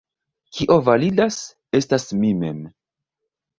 Kio validas, estas mi mem.